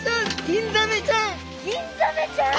ギンザメちゃん？